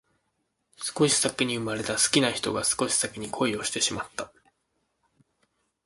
少し先に生まれた好きな人が少し先に恋をしてしまった